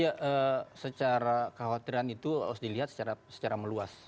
ya secara kekhawatiran itu harus dilihat secara meluas